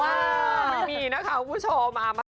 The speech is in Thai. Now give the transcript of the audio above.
ไม่มีนะครับผู้ชม